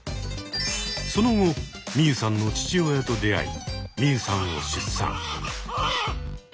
その後ミユさんの父親と出会いミユさんを出産。